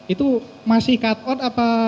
itu masih cut out apa